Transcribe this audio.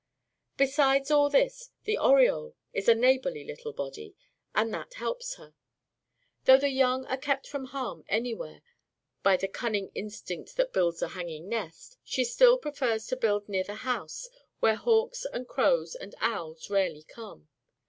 Besides all this, the oriole is a neighborly little body; and that helps her. Though the young are kept from harm anywhere by the cunning instinct which builds a hanging nest, she still prefers to build near the house, where hawks and crows and owls rarely come.